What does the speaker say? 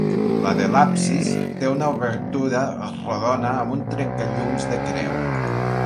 La de l'absis té una obertura rodona amb un trencallums de creu.